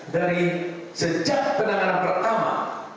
dari sejak penanganan pertama